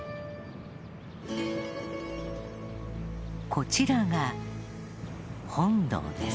こちらが本堂です